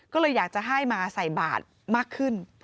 ก็เลยอยากจะให้มาใส่บาทมากขึ้น